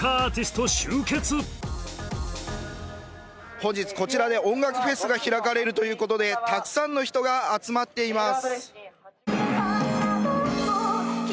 本日、こちらで音楽フェスが開かれるということでたくさんの人が集まっています。